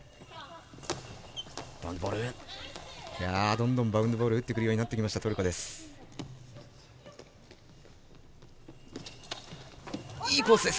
どんどんバウンドボールを打ってくるようになったトルコ。